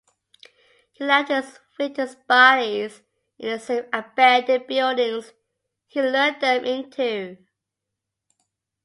He left his victims bodies in the same abandoned buildings he lured them into.